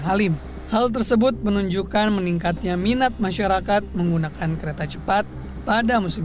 halim hal tersebut menunjukkan meningkatnya minat masyarakat menggunakan kereta cepat pada musim